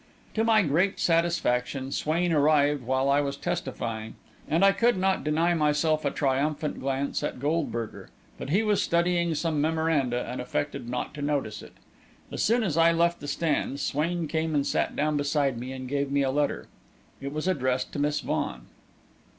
To my great satisfaction, Swain arrived while I was testifying, and I could not deny myself a triumphant glance at Goldberger, but he was studying some memoranda and affected not to notice it. As soon as I left the stand, Swain came and sat down beside me and gave me a letter. It was addressed to Miss Vaughan.